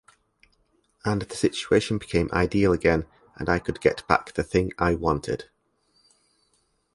And the situation became ideal again, and I could get back the thing I wanted.